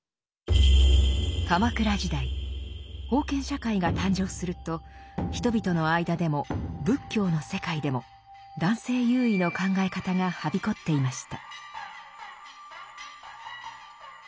鎌倉時代封建社会が誕生すると人々の間でも仏教の世界でも男性優位の考え方がはびこっていました。